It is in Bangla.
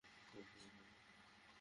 রাস্তা পার হবেন?